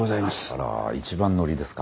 あら一番乗りですか。